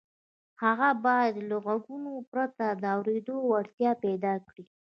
هغه باید له غوږونو پرته د اورېدو وړتیا پیدا کړي